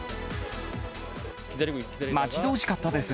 待ち遠しかったです。